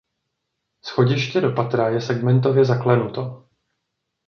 Schodiště do patra je segmentově zaklenuto.